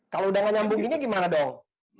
kalau udah gak nyambunginnya gimana dong